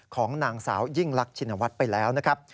ของนางสาวยิ่งรักชินวัฒน์ไปแล้วนะครับ